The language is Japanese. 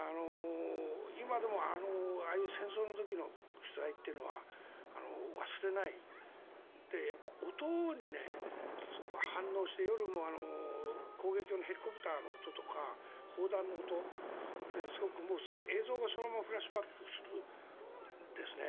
今でもああいう戦争の時の取材っていうのは忘れないでやっぱり音にすごく反応して夜も攻撃音ヘリコプターの音とか砲弾の音すごく、すぐに映像がそのままフラッシュバックするんですね。